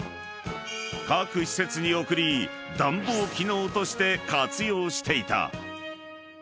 ［各施設に送り暖房機能として活用していた］